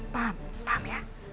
paham paham ya